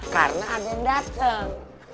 karena ada yang dateng